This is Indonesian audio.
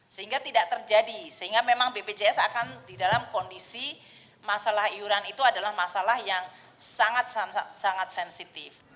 sehingga tidak terjadi sehingga memang bpjs akan di dalam kondisi masalah iuran itu adalah masalah yang sangat sangat sensitif